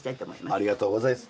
ありがとうございます。